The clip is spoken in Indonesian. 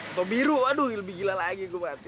atau biru aduh lebih gila lagi gue mati